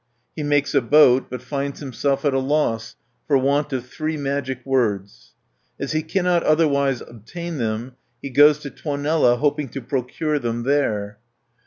He makes a boat, but finds himself at a loss for want of three magic words (1 118). As he cannot otherwise obtain them, he goes to Tuonela hoping to procure them there (119 362).